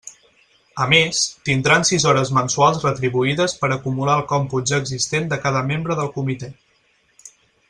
A més, tindran sis hores mensuals retribuïdes per acumular al còmput ja existent de cada membre del comitè.